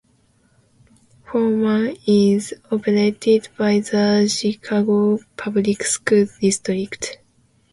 Foreman is operated by the Chicago Public Schools district.